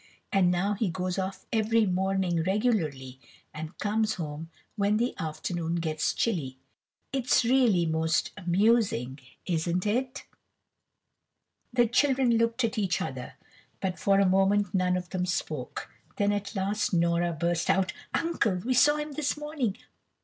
And now he goes off every morning regularly, and comes home when the afternoon gets chilly. It's really most amusing, isn't it?" The children looked at each other, but for a moment none of them spoke. Then at last Nora burst out. "Uncle, we saw him this morning.